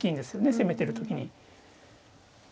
攻めてる時に。